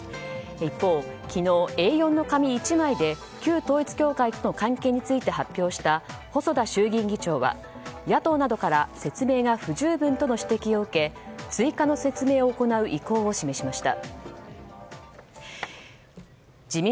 一方、昨日４Ａの紙１枚で旧統一教会との関係について発表した細田衆院議長は、野党などから説明が不十分との指摘を受け追加の説明を行う意向を示しました。